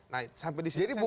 nah sampai disini saya